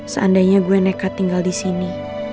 seandainya gue nekat tinggal di sini